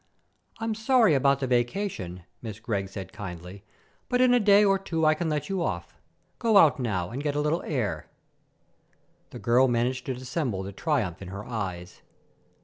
"I'm sorry about the vacation," Miss Gregg said kindly, "but in a day or two I can let you off. Go out now and get a little air." The girl managed to dissemble the triumph in her eyes.